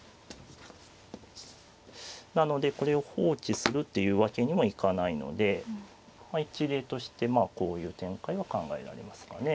なのでこれを放置するっていうわけにもいかないので一例としてこういう展開は考えられますかね。